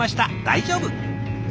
大丈夫！